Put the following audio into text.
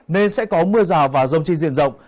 nên sẽ có mưa rào và rông trên diện rộng